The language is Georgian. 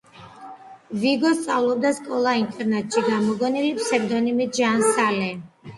ვიგო სწავლობდა სკოლა-ინტერნატში, გამოგონილი ფსევდონიმით ჟან სალე.